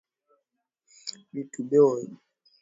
Bitu byako ni byako usipige kanda ya abyo